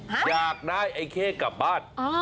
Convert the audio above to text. หรอครับอยากได้ไอ้เค้กลับบ้าน